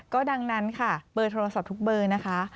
ก็ดังนั้นค่ะเบอร์โทรศัพท์ทุกเบอร์นะคะ